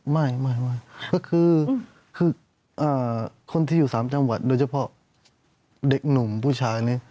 ไม่ก็คือคนที่อยู่๓จังหวัดโดยเฉพาะเด็กหนุ่มผู้ชายนี้